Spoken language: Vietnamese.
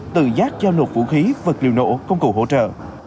tự giác giao nộp vũ khí vật liệu nổ công cụ hỗ trợ